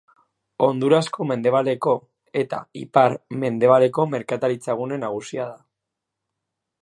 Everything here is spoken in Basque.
Hondurasko mendebaleko eta ipar-mendebaleko merkataritzagune nagusia da.